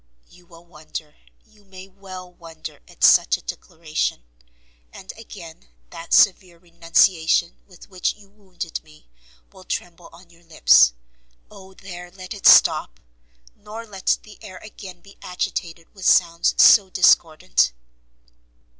You will wonder, you may well wonder at such a declaration; and again that severe renunciation with which you wounded me, will tremble on your lips, Oh there let it stop! nor let the air again be agitated with sounds so discordant!